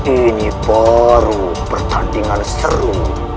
ini baru pertandingan seru